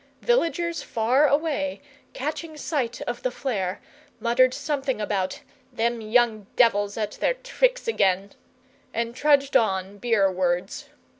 Villagers far away, catching sight of the flare, muttered something about "them young devils at their tricks again," and trudged on beer wards.